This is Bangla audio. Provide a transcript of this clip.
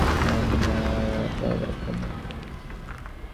আমার প্রপিতামহ দূর হইতে কুলীন আনাইয়া তাঁহার এক কন্যার বিবাহ দিয়াছিলেন।